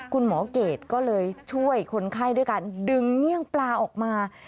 เกรดก็เลยช่วยคนไข้ด้วยการดึงเงี่ยงปลาออกมา